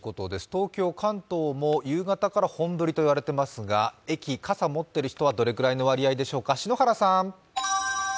東京、関東も夕方から本降りといわれていますが駅、傘持っている人はどれぐらいの割合でしょうか。